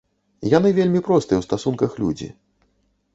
Яны вельмі простыя ў стасунках людзі.